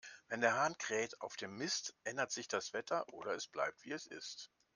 Wenn der Hahn kräht auf dem Mist, ändert sich das Wetter, oder es bleibt, wie es ist.